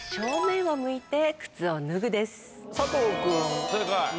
佐藤君正解。